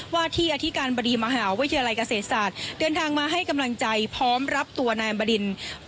ว่าที่อธิการบดีมหาวิทยาลัยเกษตรศาสตร์เดินทางมาให้กำลังใจพร้อมรับตัวนายบดิน